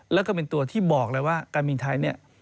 แล้วก็เป็นตัวที่บอกเลยว่าการบินไทยเนี่ย